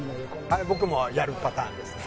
あれ僕もやるパターンですね。